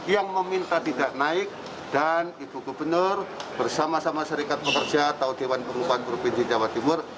yang meminta tidak naik dan ibu gubernur bersama sama serikat pekerja atau dewan pengupahan provinsi jawa timur